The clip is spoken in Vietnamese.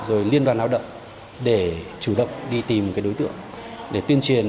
rồi liên đoàn lao động để chủ động đi tìm cái đối tượng để tuyên truyền